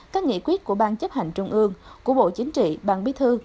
các nghị quyết của bang chấp hành trung ương của bộ chính trị bang bí thư